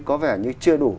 có vẻ như chưa đủ